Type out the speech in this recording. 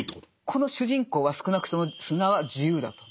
この主人公は少なくとも砂は自由だと。